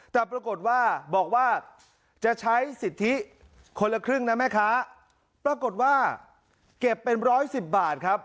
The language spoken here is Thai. แต่ปรากฏว่าบอกว่าจะใช้สิทธิคนละครึ่งนะแม่ค้าปรากฏว่าเก็บเป็นร้อยสิบบาทครับ